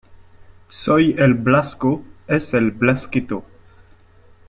Soy el Blasco, es el Blasquito.